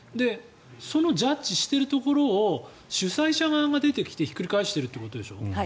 そのジャッジしているところを主催者側が出てきてひっくり返しているということでしょ。